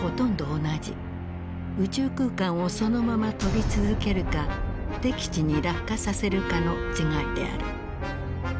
宇宙空間をそのまま飛び続けるか敵地に落下させるかの違いである。